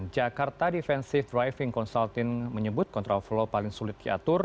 jakarta defensive driving consulting menyebut kontrol flow paling sulit diatur